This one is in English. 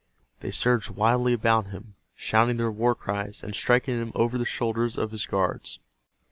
They surged wildly about him shouting their war cries, and striking at him over the shoulders of his guards.